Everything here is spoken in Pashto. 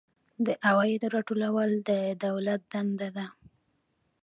د عوایدو راټولول د دولت دنده ده